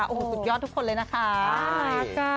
สุดยอดทุกคนเลยนะคะ